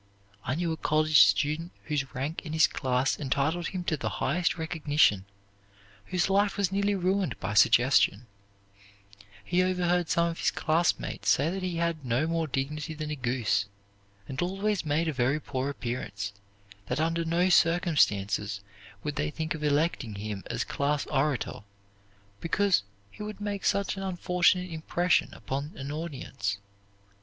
I knew a college student whose rank in his class entitled him to the highest recognition, whose life was nearly ruined by suggestion; he overheard some of his classmates say that he had no more dignity than a goose, and always made a very poor appearance; that under no circumstances would they think of electing him as class orator, because he would make such an unfortunate impression upon an audience.